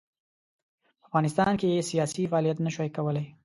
په افغانستان کې یې سیاسي فعالیت نه شوای کولای.